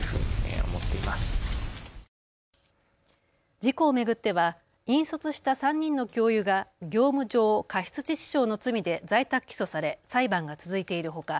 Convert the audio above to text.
事故を巡っては引率した３人の教諭が業務上過失致死傷の罪で在宅起訴され裁判が続いているほか